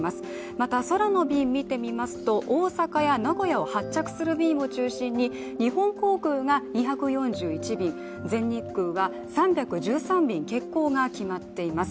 また空の便を見てみますと大阪や名古屋を発着する便を中心に日本航空が２４１便全日空が３１３便欠航が決まっています。